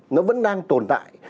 nó vẫn đang tồn tại